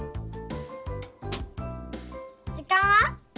じかんは？